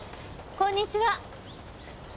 こんにちは。